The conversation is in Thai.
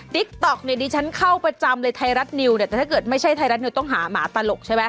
ติ๊กต๊อกเนี่ยดิฉันเข้าประจำเลยไทยรัฐนิวเนี่ยแต่ถ้าเกิดไม่ใช่ไทยรัฐนิวต้องหาหมาตลกใช่ไหม